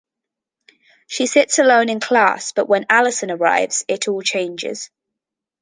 She sits alone in class, but when Alison arrives, it all changes.